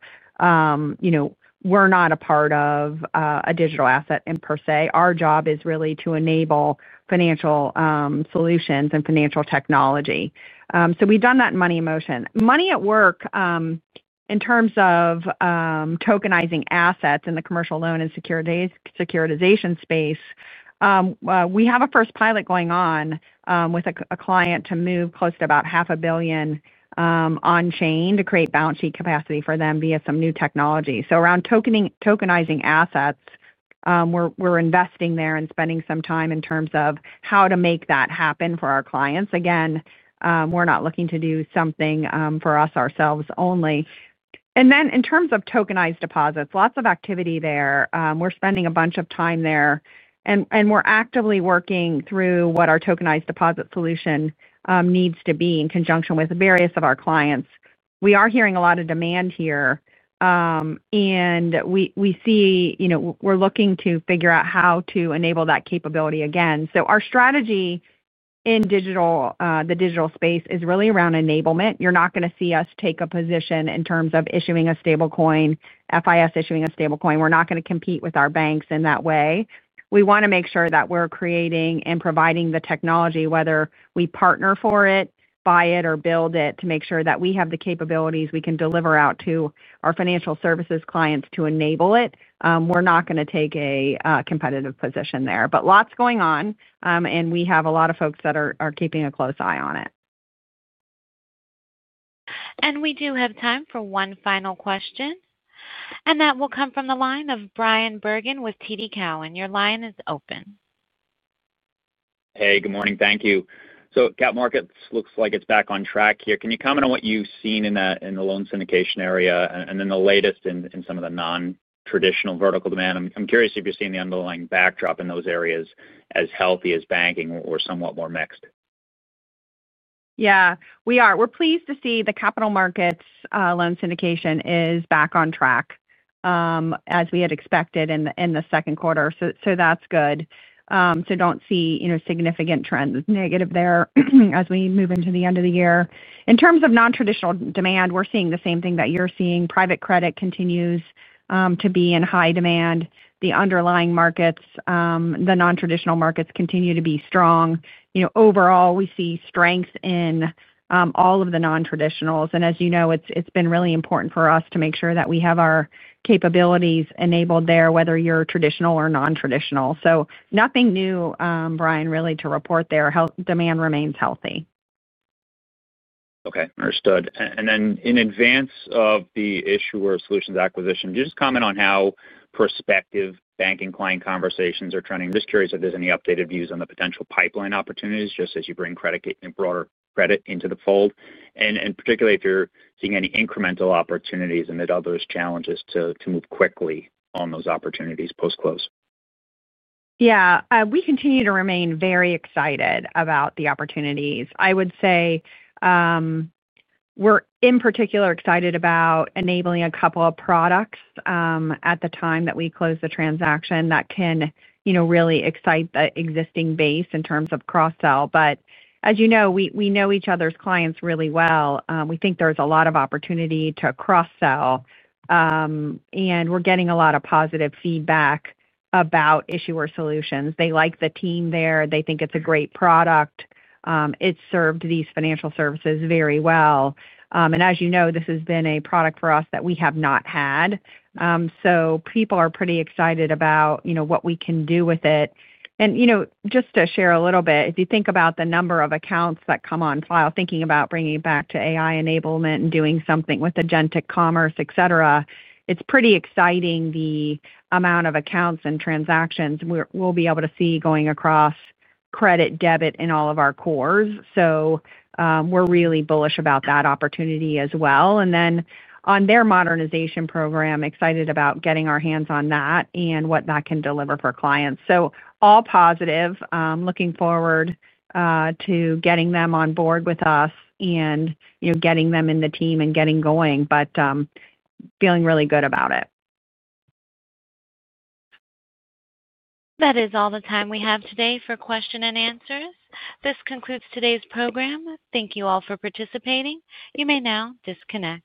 we're not a part of a digital asset per se. Our job is really to enable financial solutions and financial technology. We've done that in Money in Motion. Money at Work. In terms of. Tokenizing assets in the commercial loan and securitization space. We have a first pilot going on with a client to move close to about $500,000,000 on-chain to create balance sheet capacity for them via some new technology. Around tokenizing assets, we're investing there and spending some time in terms of how to make that happen for our clients. Again, we're not looking to do something for ourselves only. In terms of tokenized deposits, lots of activity there. We're spending a bunch of time there. We're actively working through what our tokenized deposit solution needs to be in conjunction with various of our clients. We are hearing a lot of demand here. We see we're looking to figure out how to enable that capability again. Our strategy in the digital space is really around enablement. You're not going to see us take a position in terms of issuing a stablecoin, FIS issuing a stablecoin. We're not going to compete with our banks in that way. We want to make sure that we're creating and providing the technology, whether we partner for it, buy it, or build it, to make sure that we have the capabilities we can deliver out to our financial services clients to enable it. We're not going to take a competitive position there. Lots going on, and we have a lot of folks that are keeping a close eye on it. We do have time for one final question. That will come from the line of Brian Bergen with TD Cowen. Your line is open. Hey, good morning. Thank you. Cap Markets looks like it's back on track here. Can you comment on what you've seen in the loan syndication area and then the latest in some of the non-traditional vertical demand? I'm curious if you're seeing the underlying backdrop in those areas as healthy as banking or somewhat more mixed. Yeah. We are. We're pleased to see the capital markets loan syndication is back on track as we had expected in the second quarter. That's good. Do not see significant trends negative there as we move into the end of the year. In terms of non-traditional demand, we're seeing the same thing that you're seeing. Private credit continues to be in high demand. The underlying markets, the non-traditional markets continue to be strong. Overall, we see strength in all of the non-traditionals. As you know, it's been really important for us to make sure that we have our capabilities enabled there, whether you're traditional or non-traditional. Nothing new, Brian, really to report there. Demand remains healthy. Okay. Understood. In advance of the issuer solutions acquisition, do you just comment on how prospective banking client conversations are turning? I'm just curious if there's any updated views on the potential pipeline opportunities just as you bring broader credit into the fold. Particularly if you're seeing any incremental opportunities amid others' challenges to move quickly on those opportunities post-close. Yeah. We continue to remain very excited about the opportunities. I would say we're in particular excited about enabling a couple of products at the time that we close the transaction that can really excite the existing base in terms of cross-sell. As you know, we know each other's clients really well. We think there's a lot of opportunity to cross-sell. We're getting a lot of positive feedback about issuer solutions. They like the team there. They think it's a great product. It's served these financial services very well. As you know, this has been a product for us that we have not had. People are pretty excited about what we can do with it. Just to share a little bit, if you think about the number of accounts that come on file, thinking about bringing it back to AI enablement and doing something with agentic commerce, etc., it's pretty exciting the amount of accounts and transactions we'll be able to see going across credit, debit, and all of our cores. We are really bullish about that opportunity as well. On their modernization program, excited about getting our hands on that and what that can deliver for clients. All positive. Looking forward. To getting them on board with us and getting them in the team and getting going, but feeling really good about it. That is all the time we have today for question and answers. This concludes today's program. Thank you all for participating. You may now disconnect.